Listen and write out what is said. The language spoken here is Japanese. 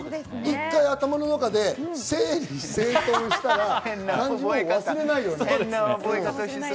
頭の中で整理整頓したら漢字も忘れないよね。